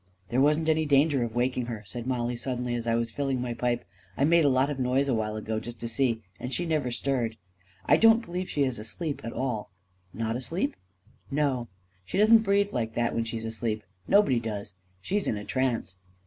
" There wasn't any danger of waking her," said Mollie, suddenly, as I was filling my pipe. " I made a lot of noise awhile ago, just to see, and she never stirred. I don't believe she is asleep at all." "Not asleep?" 284 A KING IN BABYLON "No; she doesn't breathe like that when she's asleep — nobody does. She's in a trance."